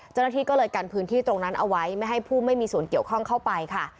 เจ้าหน้าที่ก็เลยกันพื้นที่ตรงนั้นเอาไว้ไม่ให้ผู้ไม่มีส่วนเกี่ยวข้องเข้าไปค่ะ